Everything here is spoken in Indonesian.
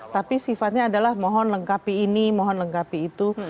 tapi sifatnya adalah mohon lengkapi ini mohon lengkapi itu